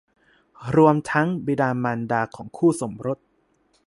รวมทั้งบิดามารดาของคู่สมรส